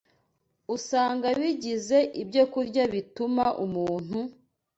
usanga bigize ibyokurya bituma umuntu